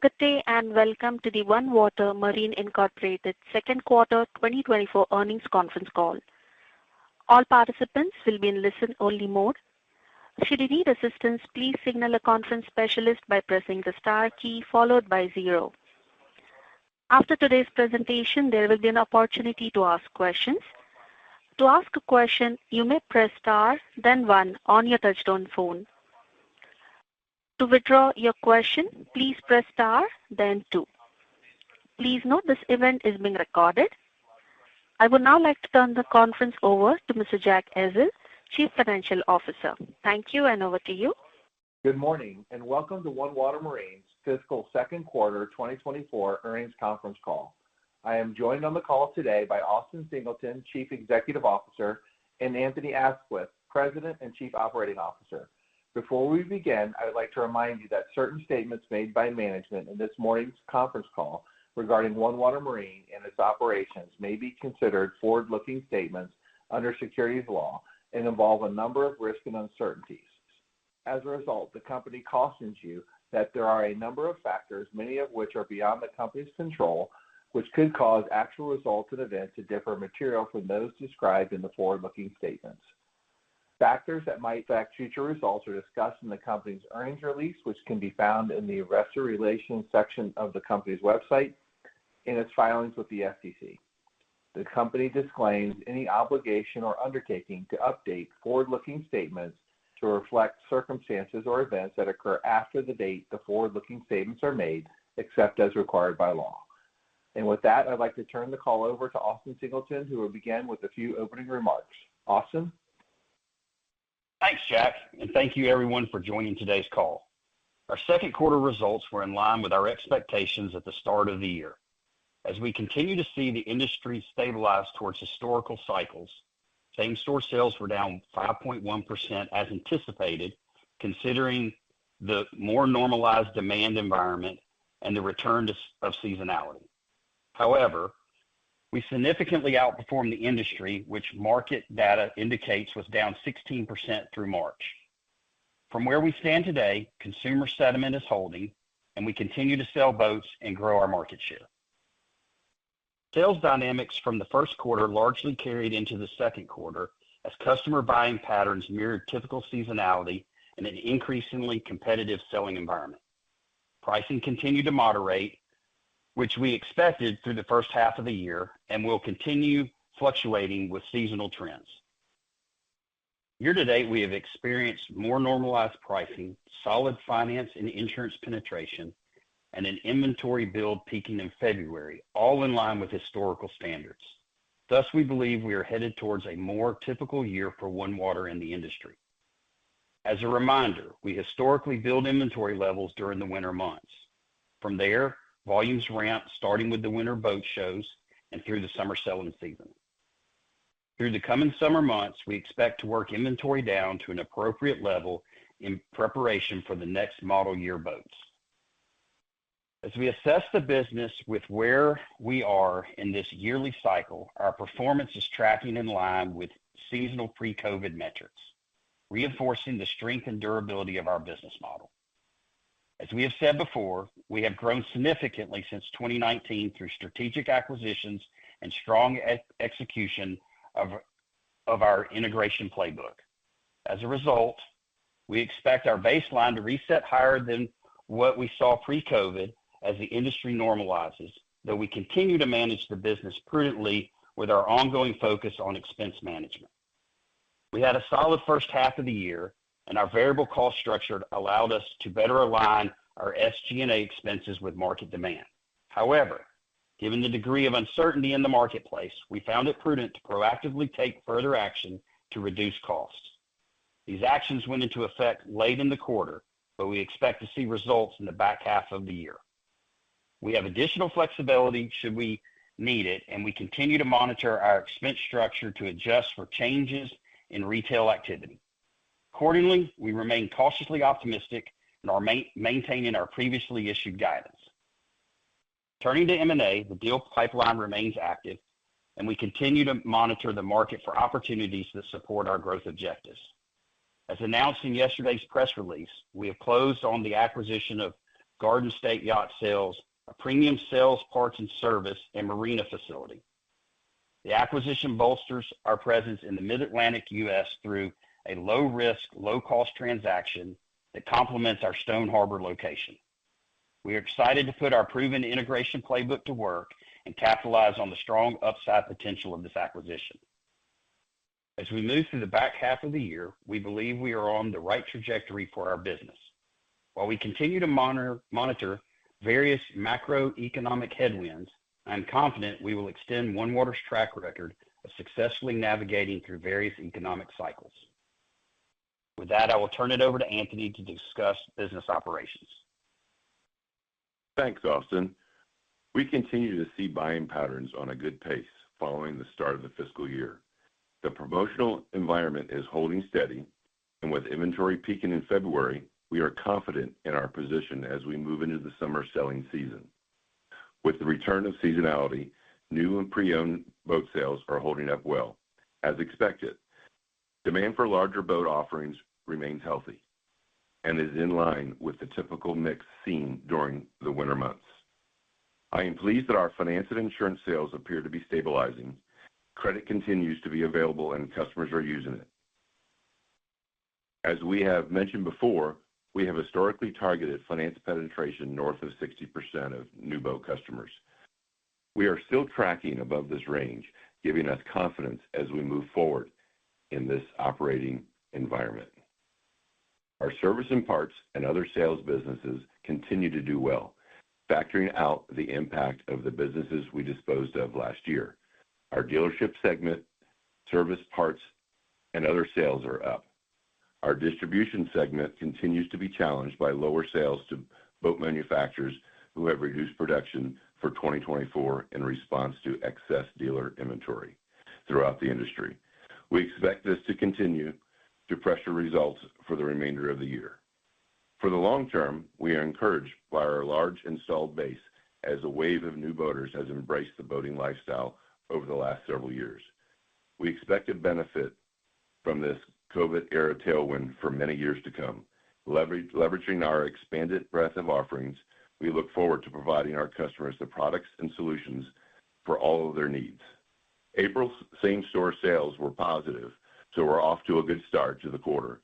Good day and welcome to the OneWater Marine Incorporated second quarter 2024 earnings conference call. All participants will be in listen-only mode. Should you need assistance, please signal a conference specialist by pressing the star key followed by zero. After today's presentation, there will be an opportunity to ask questions. To ask a question, you may press star, then one on your touch-tone phone. To withdraw your question, please press star, then two. Please note this event is being recorded. I would now like to turn the conference over to Mr. Jack Ezzell, Chief Financial Officer. Thank you, and over to you. Good morning and welcome to OneWater Marine's fiscal second quarter 2024 earnings conference call. I am joined on the call today by Austin Singleton, Chief Executive Officer, and Anthony Aisquith, President and Chief Operating Officer. Before we begin, I would like to remind you that certain statements made by management in this morning's conference call regarding OneWater Marine and its operations may be considered forward-looking statements under securities law and involve a number of risks and uncertainties. As a result, the company cautions you that there are a number of factors, many of which are beyond the company's control, which could cause actual results and events to differ materially from those described in the forward-looking statements. Factors that might affect future results are discussed in the company's earnings release, which can be found in the investor relations section of the company's website and its filings with the SEC. The company disclaims any obligation or undertaking to update forward-looking statements to reflect circumstances or events that occur after the date the forward-looking statements are made, except as required by law. With that, I'd like to turn the call over to Austin Singleton, who will begin with a few opening remarks. Austin? Thanks, Jack, and thank you, everyone, for joining today's call. Our second quarter results were in line with our expectations at the start of the year. As we continue to see the industry stabilize towards historical cycles, same-store sales were down 5.1% as anticipated considering the more normalized demand environment and the return of seasonality. However, we significantly outperformed the industry, which market data indicates was down 16% through March. From where we stand today, consumer sentiment is holding, and we continue to sell boats and grow our market share. Sales dynamics from the first quarter largely carried into the second quarter as customer buying patterns mirrored typical seasonality and an increasingly competitive selling environment. Pricing continued to moderate, which we expected through the first half of the year, and will continue fluctuating with seasonal trends. Year to date, we have experienced more normalized pricing, solid finance and insurance penetration, and an inventory build peaking in February, all in line with historical standards. Thus, we believe we are headed towards a more typical year for OneWater in the industry. As a reminder, we historically build inventory levels during the winter months. From there, volumes ramp starting with the winter boat shows and through the summer selling season. Through the coming summer months, we expect to work inventory down to an appropriate level in preparation for the next model year boats. As we assess the business with where we are in this yearly cycle, our performance is tracking in line with seasonal pre-COVID metrics, reinforcing the strength and durability of our business model. As we have said before, we have grown significantly since 2019 through strategic acquisitions and strong execution of our integration playbook. As a result, we expect our baseline to reset higher than what we saw pre-COVID as the industry normalizes, though we continue to manage the business prudently with our ongoing focus on expense management. We had a solid first half of the year, and our variable cost structure allowed us to better align our SG&A expenses with market demand. However, given the degree of uncertainty in the marketplace, we found it prudent to proactively take further action to reduce costs. These actions went into effect late in the quarter, but we expect to see results in the back half of the year. We have additional flexibility should we need it, and we continue to monitor our expense structure to adjust for changes in retail activity. Accordingly, we remain cautiously optimistic in maintaining our previously issued guidance. Turning to M&A, the deal pipeline remains active, and we continue to monitor the market for opportunities that support our growth objectives. As announced in yesterday's press release, we have closed on the acquisition of Garden State Yacht Sales, a premium sales parts and service and marina facility. The acquisition bolsters our presence in the Mid-Atlantic U.S. through a low-risk, low-cost transaction that complements our Stone Harbor location. We are excited to put our proven integration playbook to work and capitalize on the strong upside potential of this acquisition. As we move through the back half of the year, we believe we are on the right trajectory for our business. While we continue to monitor various macroeconomic headwinds, I am confident we will extend OneWater's track record of successfully navigating through various economic cycles. With that, I will turn it over to Anthony to discuss business operations. Thanks, Austin. We continue to see buying patterns on a good pace following the start of the fiscal year. The promotional environment is holding steady, and with inventory peaking in February, we are confident in our position as we move into the summer selling season. With the return of seasonality, new and pre-owned boat sales are holding up well as expected. Demand for larger boat offerings remains healthy and is in line with the typical mix seen during the winter months. I am pleased that our finance and insurance sales appear to be stabilizing. Credit continues to be available, and customers are using it. As we have mentioned before, we have historically targeted finance penetration north of 60% of new boat customers. We are still tracking above this range, giving us confidence as we move forward in this operating environment. Our service and parts and other sales businesses continue to do well, factoring out the impact of the businesses we disposed of last year. Our dealership segment, service parts, and other sales are up. Our distribution segment continues to be challenged by lower sales to boat manufacturers who have reduced production for 2024 in response to excess dealer inventory throughout the industry. We expect this to continue to pressure results for the remainder of the year. For the long term, we are encouraged by our large installed base as a wave of new boaters has embraced the boating lifestyle over the last several years. We expect to benefit from this COVID-era tailwind for many years to come. Leveraging our expanded breadth of offerings, we look forward to providing our customers the products and solutions for all of their needs. April's Same-store sales were positive, so we're off to a good start to the quarter.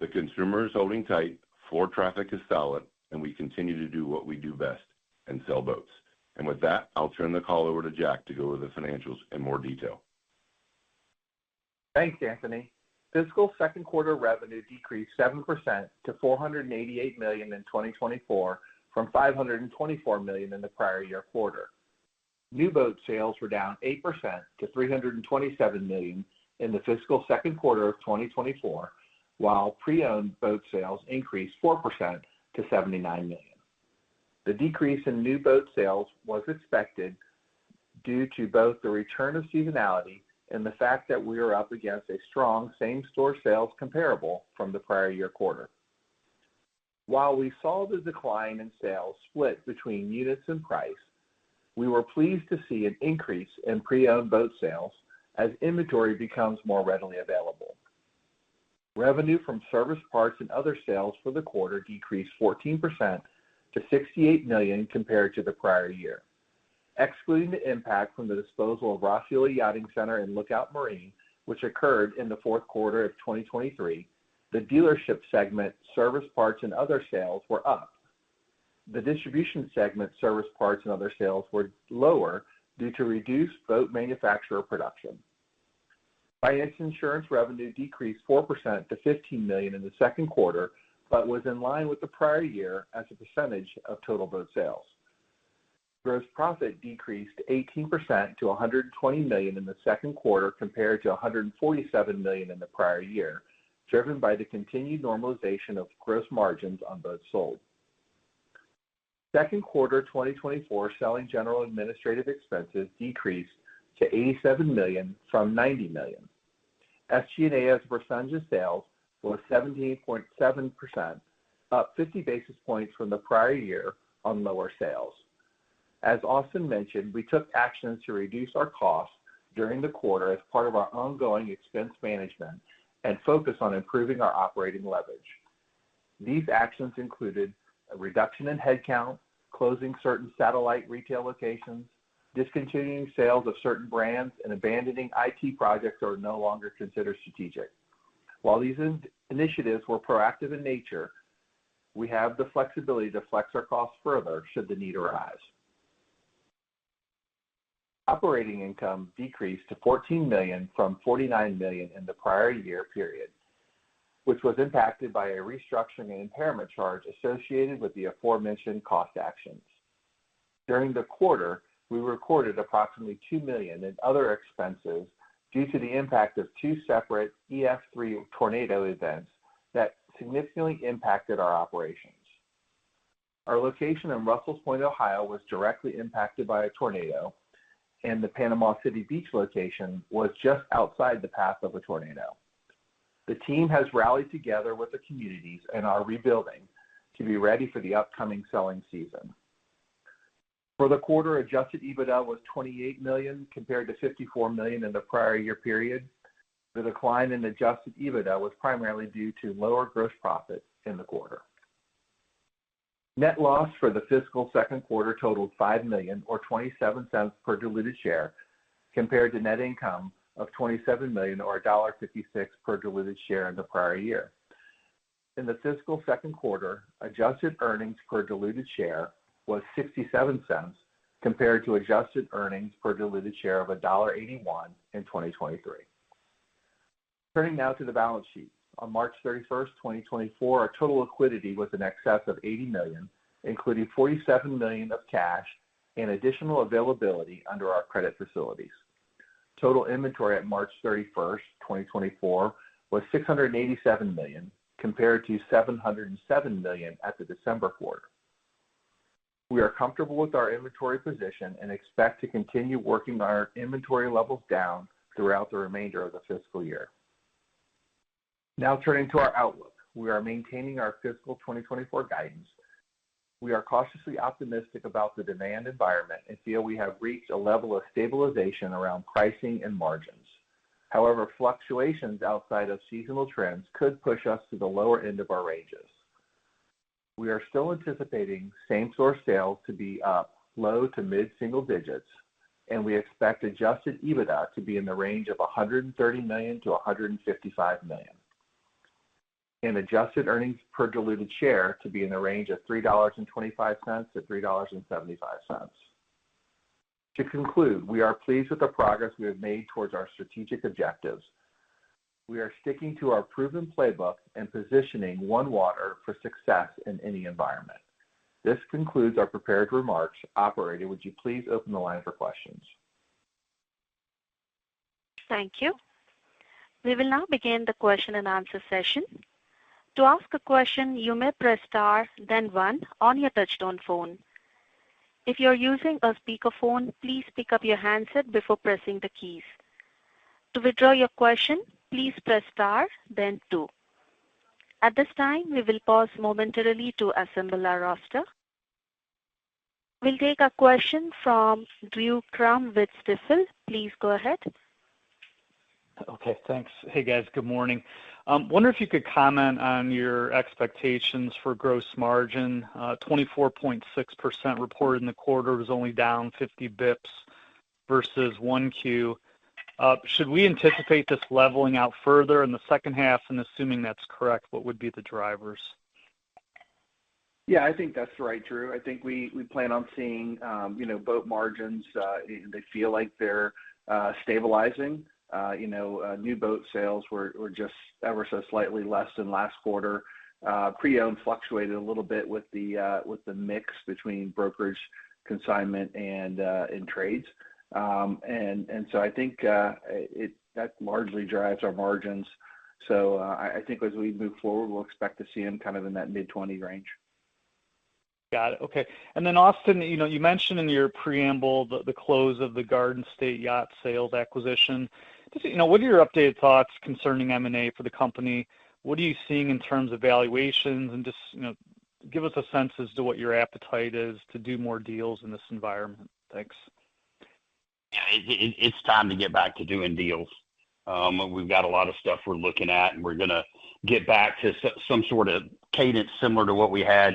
The consumer is holding tight, floor traffic is solid, and we continue to do what we do best and sell boats. With that, I'll turn the call over to Jack to go over the financials in more detail. Thanks, Anthony. Fiscal second quarter revenue decreased 7% to $488 million in 2024 from $524 million in the prior year quarter. New boat sales were down 8% to $327 million in the fiscal second quarter of 2024, while pre-owned boat sales increased 4% to $79 million. The decrease in new boat sales was expected due to both the return of seasonality and the fact that we are up against a strong Same-store sales comparable from the prior year quarter. While we saw the decline in sales split between units and price, we were pleased to see an increase in pre-owned boat sales as inventory becomes more readily available. Revenue from service parts and other sales for the quarter decreased 14% to $68 million compared to the prior year. Excluding the impact from the disposal of Roscioli Yachting Center and Lookout Marine, which occurred in the fourth quarter of 2023, the dealership segment, service parts, and other sales were up. The distribution segment, service parts, and other sales were lower due to reduced boat manufacturer production. Finance and insurance revenue decreased 4% to $15 million in the second quarter but was in line with the prior year as a percentage of total boat sales. Gross profit decreased 18% to $120 million in the second quarter compared to $147 million in the prior year, driven by the continued normalization of gross margins on boats sold. Second quarter 2024 selling, general, and administrative expenses decreased to $87 million from $90 million. SG&A as a percentage of sales was 17.7%, up 50 basis points from the prior year on lower sales. As Austin mentioned, we took actions to reduce our costs during the quarter as part of our ongoing expense management and focus on improving our operating leverage. These actions included a reduction in headcount, closing certain satellite retail locations, discontinuing sales of certain brands, and abandoning IT projects that are no longer considered strategic. While these initiatives were proactive in nature, we have the flexibility to flex our costs further should the need arise. Operating income decreased to $14 million from $49 million in the prior year period, which was impacted by a restructuring and impairment charge associated with the aforementioned cost actions. During the quarter, we recorded approximately $2 million in other expenses due to the impact of two separate EF3 tornado events that significantly impacted our operations. Our location in Russells Point, Ohio, was directly impacted by a tornado, and the Panama City Beach location was just outside the path of a tornado. The team has rallied together with the communities and are rebuilding to be ready for the upcoming selling season. For the quarter, Adjusted EBITDA was $28 million compared to $54 million in the prior year period. The decline in Adjusted EBITDA was primarily due to lower gross profit in the quarter. Net loss for the fiscal second quarter totaled $5 million or $0.27 per diluted share compared to net income of $27 million or $1.56 per diluted share in the prior year. In the fiscal second quarter, Adjusted Earnings Per Diluted Share was $0.67 compared to Adjusted Earnings Per Diluted Share of $1.81 in 2023. Turning now to the balance sheet, on March 31st, 2024, our total liquidity was in excess of $80 million, including $47 million of cash and additional availability under our credit facilities. Total inventory at March 31st, 2024, was $687 million compared to $707 million at the December quarter. We are comfortable with our inventory position and expect to continue working our inventory levels down throughout the remainder of the fiscal year. Now turning to our outlook, we are maintaining our fiscal 2024 guidance. We are cautiously optimistic about the demand environment and feel we have reached a level of stabilization around pricing and margins. However, fluctuations outside of seasonal trends could push us to the lower end of our ranges. We are still anticipating Same-store sales to be up low to mid-single digits, and we expect Adjusted EBITDA to be in the range of $130 million-$155 million, and Adjusted Earnings Per Diluted Share to be in the range of $3.25-$3.75. To conclude, we are pleased with the progress we have made towards our strategic objectives. We are sticking to our proven playbook and positioning OneWater for success in any environment. This concludes our prepared remarks. Operator, would you please open the line for questions? Thank you. We will now begin the question and answer session. To ask a question, you may press star, then one, on your touchtone phone. If you're using a speakerphone, please pick up your handset before pressing the keys. To withdraw your question, please press star, then two. At this time, we will pause momentarily to assemble our roster. We'll take a question from Drew Crum with Stifel. Please go ahead. Okay. Thanks. Hey, guys. Good morning. Wonder if you could comment on your expectations for gross margin. 24.6% reported in the quarter was only down 50 basis points versus 1Q. Should we anticipate this leveling out further in the second half? And assuming that's correct, what would be the drivers? Yeah, I think that's right, Drew. I think we plan on seeing boat margins. They feel like they're stabilizing. New boat sales were just ever so slightly less than last quarter. Pre-owned fluctuated a little bit with the mix between brokerage consignment and trades. And so I think that largely drives our margins. So I think as we move forward, we'll expect to see them kind of in that mid-20 range. Got it. Okay. And then, Austin, you mentioned in your preamble the close of the Garden State Yacht Sales acquisition. What are your updated thoughts concerning M&A for the company? What are you seeing in terms of valuations? And just give us a sense as to what your appetite is to do more deals in this environment. Thanks. Yeah, it's time to get back to doing deals. We've got a lot of stuff we're looking at, and we're going to get back to some sort of cadence similar to what we had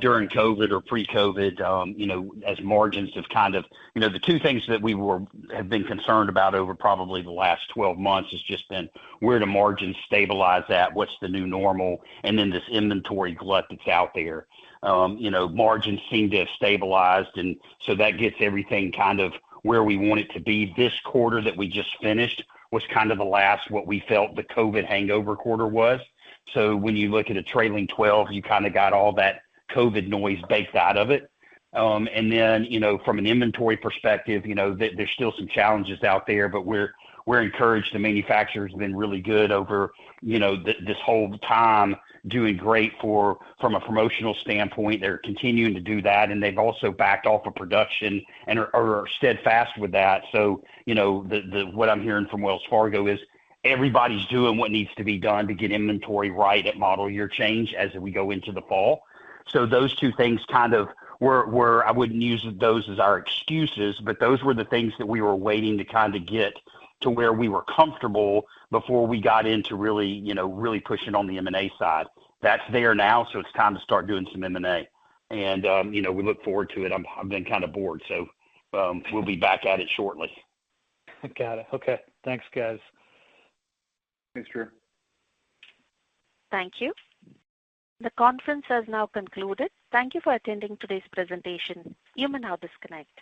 during COVID or pre-COVID as margins have kind of the two things that we have been concerned about over probably the last 12 months has just been where do margins stabilize at? What's the new normal? And then this inventory glut that's out there. Margins seem to have stabilized, and so that gets everything kind of where we want it to be. This quarter that we just finished was kind of the last what we felt the COVID hangover quarter was. So when you look at a trailing 12, you kind of got all that COVID noise baked out of it. And then from an inventory perspective, there's still some challenges out there, but we're encouraged. The manufacturer has been really good over this whole time, doing great from a promotional standpoint. They're continuing to do that, and they've also backed off of production or steadfast with that. So what I'm hearing from Wells Fargo is everybody's doing what needs to be done to get inventory right at model year change as we go into the fall. So those two things kind of were I wouldn't use those as our excuses, but those were the things that we were waiting to kind of get to where we were comfortable before we got into really pushing on the M&A side. That's there now, so it's time to start doing some M&A. We look forward to it. I've been kind of bored, so we'll be back at it shortly. Got it. Okay. Thanks, guys. Thanks, Drew. Thank you. The conference has now concluded. Thank you for attending today's presentation. You may now disconnect.